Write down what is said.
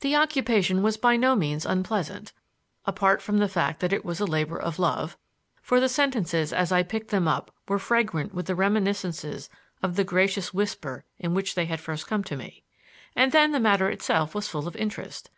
The occupation was by no means unpleasant, apart from the fact that it was a labor of love; for the sentences, as I picked them up, were fragrant with the reminiscences of the gracious whisper in which they had first come to me. And then the matter itself was full of interest.